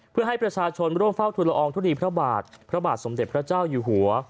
เพื่อให้ประชาชนร่วมเฝ้าทุลอองทุลีพระบาทพระบาทสมเด็จพระเจ้าอยู่หัว